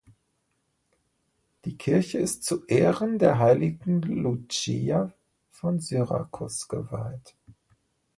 Die Kirche ist zu Ehren der heiligen Lucia von Syrakus geweiht.